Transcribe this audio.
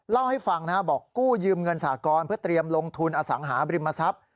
เล่าให้ฟังบอกกู้ยืมเงินสากรเพื่อเตรียมลงทุนอสังหาบริมทรัพย์